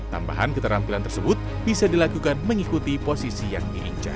tambahan keterampilan tersebut bisa dilakukan mengikuti posisi yang diincar